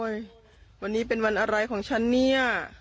วันนี้เป็นวันอะไรของฉันเนี่ย